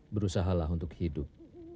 berusahalah untuk hidup